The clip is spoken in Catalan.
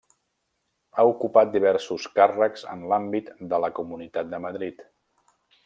Ha ocupat diversos càrrecs en l'àmbit de la Comunitat de Madrid.